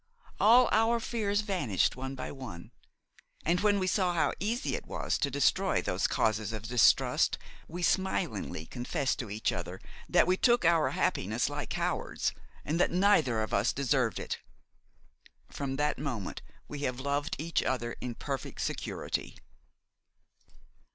All our fears vanished one by one; and when we saw how easy it was to destroy those causes of distrust, we smilingly confessed to each other that we took our happiness like cowards and that neither of us deserved it. From that moment we have loved each other in perfect security."